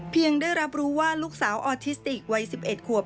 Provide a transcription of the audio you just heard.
ได้รับรู้ว่าลูกสาวออทิสติกวัย๑๑ขวบ